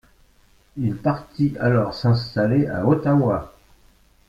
Il partit alors s'installer à Ottawa.